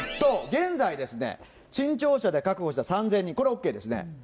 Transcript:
現在ですね、新庁舎で確保した３０００人、これ、ＯＫですね。